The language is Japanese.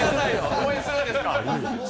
応援するんですか？